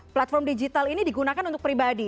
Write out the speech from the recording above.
platform digital ini digunakan untuk pribadi